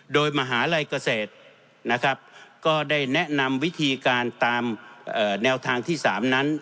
โดยมหาลัยเกษตรนะครับก็ได้แนะนำวิธีการตามแนวทางที่๓นั้น